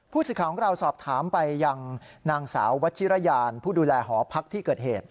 สิทธิ์ของเราสอบถามไปยังนางสาววัชิรยานผู้ดูแลหอพักที่เกิดเหตุ